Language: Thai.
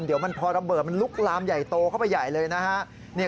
เดี๋ยวมันพอระเบิดมันลุกลามใหญ่โตเข้าไปใหญ่เลยนะฮะ